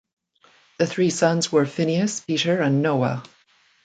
The three sons were Phineas, Peter and Noah.